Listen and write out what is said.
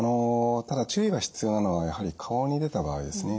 ただ注意が必要なのはやはり顔に出た場合ですね。